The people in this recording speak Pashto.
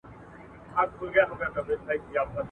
بدلونونه په ټوله کي پرمختیا ګڼل کیږي.